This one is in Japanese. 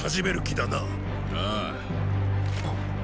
ああ。？